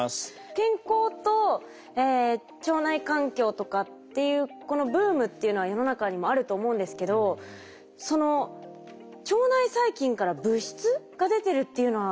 健康と腸内環境とかっていうこのブームっていうのは世の中にもあると思うんですけどその腸内細菌から物質が出てるっていうのは初めて知りました。